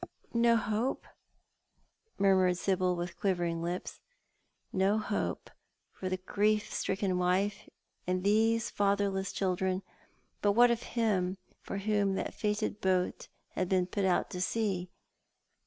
" No hope !" murmured Sibyl, with quivering lips. No hope for the grief stricken wife and tliese fatherless children — but what of him for whom that fated boat had put out to sea?